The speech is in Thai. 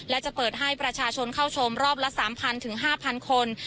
และจะเปิดให้ประชาชนเข้าชมรอบละ๓๐๐๕๐๐คน